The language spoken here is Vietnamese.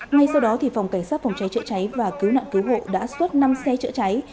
ngay sau đó phòng cảnh sát phòng cháy chữa cháy và cứu nạn cứu hộ đã xuất năm xe chữa cháy